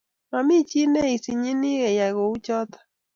Mamie chii ne isinyinnie iyai kuchotok